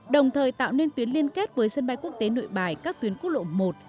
đồng thời tạo nên tuyến liên kết với sân bay quốc tế nội bài các tuyến cú lộ một năm sáu ba mươi hai